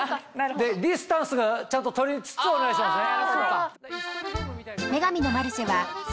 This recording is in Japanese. ディスタンスちゃんと取りつつお願いしますね。